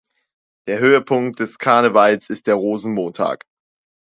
Der Höhepunkt des Karnevals ist der Rosenmontag.